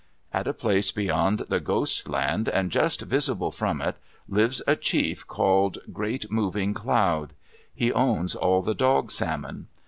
At a place beyond the Ghost Land, and just visible from it, lives a chief called Great Moving Cloud. He owns all the dog salmon.